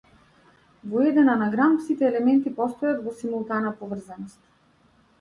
Во еден анаграм сите елементи постојат во симултана поврзаност.